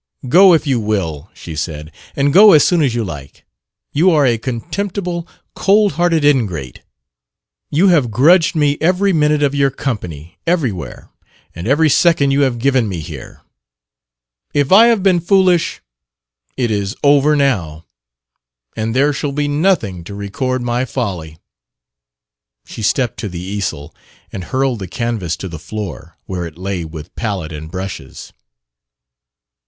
"Go, if you will," she said. "And go as soon as you like. You are a contemptible, cold hearted ingrate. You have grudged me every minute of your company, everywhere and every second you have given me here. If I have been foolish it is over now, and there shall be nothing to record my folly." She stepped to the easel and hurled the canvas to the floor, where it lay with palette and brushes.